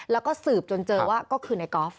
แล้วก็สืบจนเจอว่าก็คือในกอล์ฟ